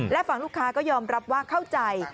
และฝั่งลูกค้าก็ยอมรับว่าเข้าใจ